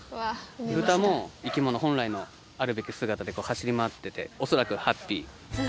豚も生き物本来のあるべき姿で走り回ってて恐らくハッピー。